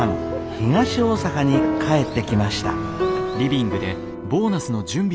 東大阪に帰ってきました。